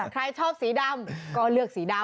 ใครชอบสีดำก็เลือกสีดำ